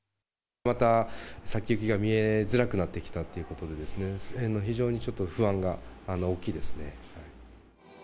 また、先行きが見えづらくなってきたということで、非常にちょっと不安が大きいですね。